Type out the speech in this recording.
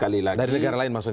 dari negara lain maksudnya ya